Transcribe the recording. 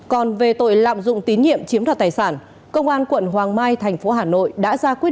còn về tội lạm dụng tín nhiệm chiếm đoạt tài sản công an quận hoàng mai thành phố hà nội đã ra quyết định